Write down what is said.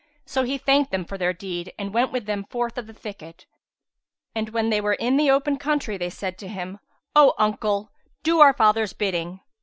So he thanked them for their deed and went with them forth of the thicket; and, when they were in the open country, they said to him, "O uncle, do our father's bidding."